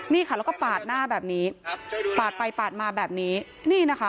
นี่ค่ะแล้วก็ปาดหน้าแบบนี้ปาดไปปาดมาแบบนี้นี่นะคะ